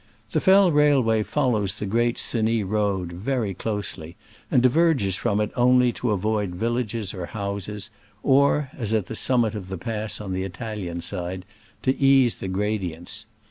The Fell railway follows the great Genis road very closely, and diverges from it only to avoid villages or houses, or, as at the summit of the pass on the Italian side, to ease the gradients.